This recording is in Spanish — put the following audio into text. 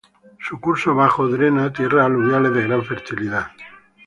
Su curso bajo drena tierras aluviales de gran fertilidad.